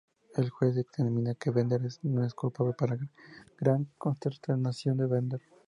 El juez dictamina que Bender es no culpable, para gran consternación de Bender.